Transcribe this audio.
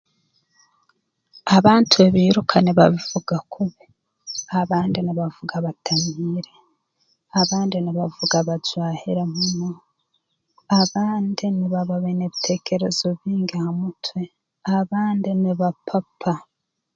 Abantu ebiiruka nibabivuga kubi abandi nibavuga batamiire abandi nibavuga bajwahire muno abandi nibaba baine ebiteekerezo bingi ha mutwe abandi nibapapa